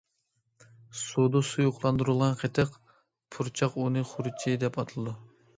سۇدا سۇيۇقلاندۇرۇلغان قېتىق‹‹ پۇرچاق ئۇنى خۇرۇچى›› دەپ ئاتىلىدۇ.